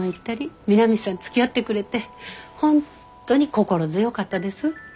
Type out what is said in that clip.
美波さんつきあってくれて本当に心強かったです。